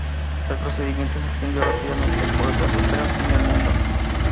El procedimiento se extendió rápidamente por otras óperas en el mundo.